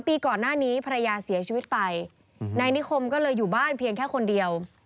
ปีก่อนหน้านี้ภรรยาเสียชีวิตไปนายนิคมก็เลยอยู่บ้านเพียงแค่คนเดียว